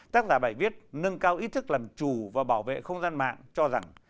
tác giả bài viết nâng cao ý thức làm chủ và bảo vệ không gian mạng cho rằng